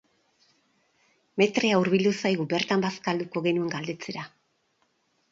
Maitrea hurbildu zaigu, bertan bazkalduko genuen galdetzera.